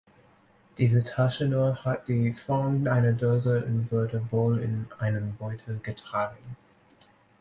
Diese Taschenuhr hat die Form einer Dose und wurde wohl in einem Beutel getragen.